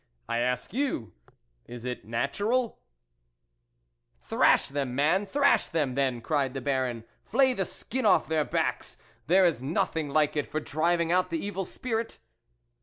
I ask you, is it natural ?"" Thrash them, man ! thrash them, then," cried the Baron, " flay the skin off their backs; there is nothing like it for driving out the evil spirit."